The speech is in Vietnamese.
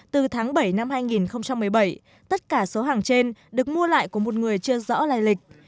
từ tháng bảy năm hai nghìn một mươi bảy tất cả số hàng trên được mua lại của một người chưa rõ lai lịch